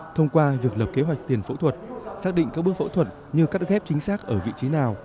thông qua việc lập kế hoạch tiền phẫu thuật xác định các bước phẫu thuật như cắt ghép chính xác ở vị trí nào